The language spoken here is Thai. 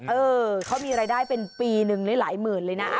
เออเขามีรายได้เป็นปีหนึ่งหลายหมื่นเลยนะ